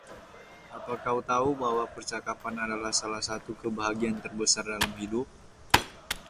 Apa kau tahu bahwa percakapan adalah salah satu kebahagiaan terbesar dalam hidup?